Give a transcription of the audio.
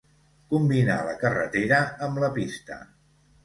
Combinà la carretera amb la pista.